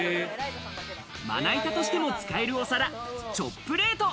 まな板としても使えるお皿、チョップレート。